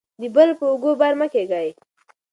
د بل په اوږو بار مه کیږئ.